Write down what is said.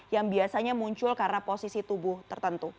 yang biasanya muncul karena posisi tubuh tertentu